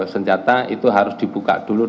senjata itu harus dibuka dulu